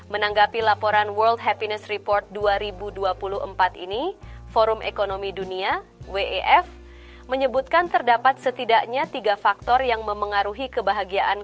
menanggapi laporan world happiness report dua ribu dua puluh empat ini forum ekonomi dunia wef menyebutkan terdapat setidaknya tiga faktor yang memengaruhi kebahagiaan